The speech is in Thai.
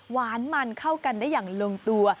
หวานมันเข้ากันได้อย่างลงตัว